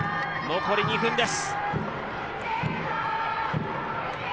残り２分です。